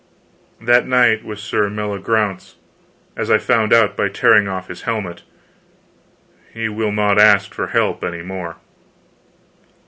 That knight was Sir Meliagraunce, as I found out by tearing off his helmet. He will not ask for help any more.